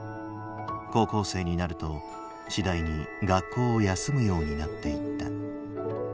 高校生になると次第に学校を休むようになっていった。